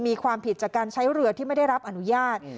มีความผิดจากการใช้เรือที่ไม่ได้รับอนุญาต